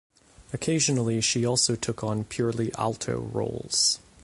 Occasionally she also took on purely alto roles.